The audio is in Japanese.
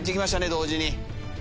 同時に。